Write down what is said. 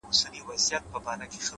• جاله هم سوله پر خپل لوري روانه,